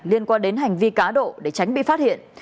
liên quan đến hành vi cá độ để tránh bị phát hiện